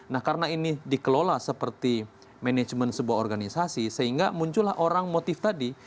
nah karena ini dikelola seperti manajemen sebuah organisasi sehingga muncullah orang motif tadi